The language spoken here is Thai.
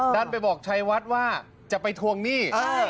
ดันไปบอกชัยวัดว่าจะไปทวงหนี้